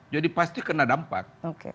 jadi pasti kena dampak